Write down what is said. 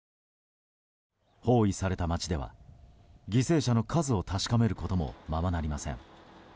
包囲された街では犠牲者の数を確かめることもままなりません。